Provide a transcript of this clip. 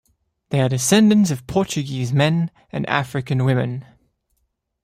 They are descendants of Portuguese men and African women.